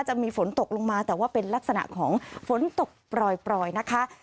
จะมีฝนตกลงมาแต่ว่าเป็นลักษณะของฝนตกปล่อยนะคะ